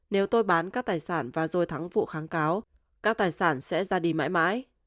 nếu tôi bán các tài sản và rồi thắng vụ kháng cáo các tài sản sẽ ra đi mãi mãi